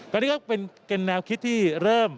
ตอนนี้คือแนวคิดที่เริ่ม